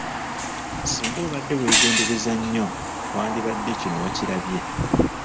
Singa obadde weegenderezza nyo wandibadde kino waakirabye.